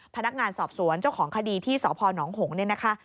พนักงานสอบสวนเจ้าของคดีที่สพนหงษ์เนี่ยนะคะ